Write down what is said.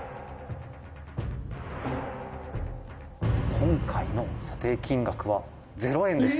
「今回の査定金額は０円です」